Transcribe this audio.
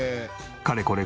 かれこれ